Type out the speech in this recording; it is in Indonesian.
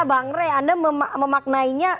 bang rey anda memaknainya